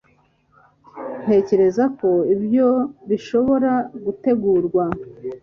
Ntekereza ko ibyo bishobora gutegurwa